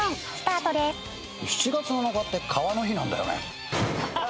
７月７日って川の日なんだよね。